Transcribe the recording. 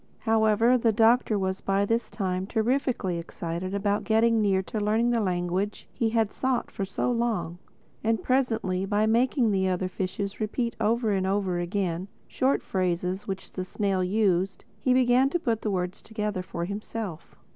However the Doctor was by this time terrifically excited about getting near to learning the language he had sought so long. And presently by making the other fishes repeat over and over again short phrases which the snail used, he began to put words together for himself.